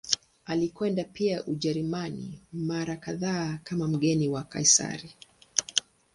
Alikwenda pia Ujerumani mara kadhaa kama mgeni wa Kaisari.